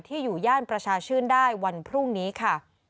อยู่ย่านประชาชื่นได้วันพรุ่งนี้ค่ะ